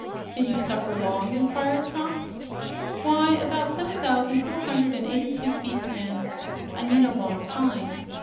"Did you suffer long?" inquired Trot. "Why, about seven thousand four hundred and eighty two feet and " "I mean a long time."